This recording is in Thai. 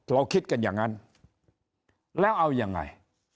เราคิดกันอย่างนั้นแล้วเอายังไง